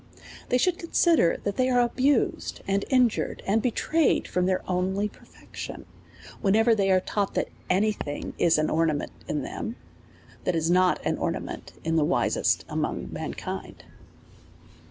They should consider that they are abused and in jured, and betrayed from their only perfection, when ever they are taught, that any thing is an ornament in them, that is not an ornament in the wisest amongst mankind.